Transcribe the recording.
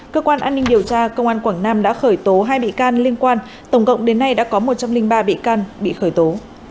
cơ quan an ninh điều tra công an quảng nam đã khởi tố hai bị can liên quan tổng cộng đến nay đã có một trăm linh ba bị can bị khởi tố